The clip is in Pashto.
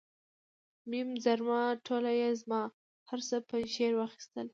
میم زرما ټوله یې زما، هر څه پنجشیر واخیستل.